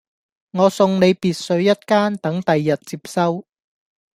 我送你別墅一間等第日接收